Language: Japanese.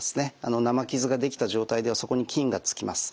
生傷ができた状態ではそこに菌が付きます。